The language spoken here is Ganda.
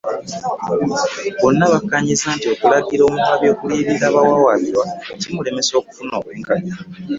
Bonna bakkaanyiza nti okulagira omuwaabi okuliyirira abawawaabirwa kimulemesa okufuna obwenkanya